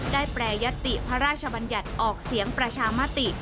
แปรยติพระราชบัญญัติออกเสียงประชามติ